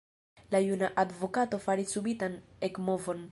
La juna advokato faris subitan ekmovon.